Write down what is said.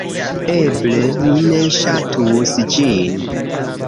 Eble, mi ne ŝatus ĝin